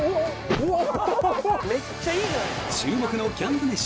注目のキャンプ飯。